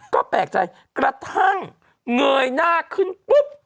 ก็แปลกใจกระทั่งเงยหน้าขึ้นปุ๊บ